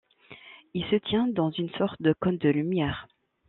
Il se tient dans une sorte de cône de lumière.